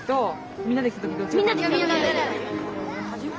みんなで。